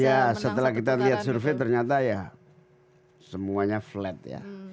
ya setelah kita lihat survei ternyata ya semuanya flat ya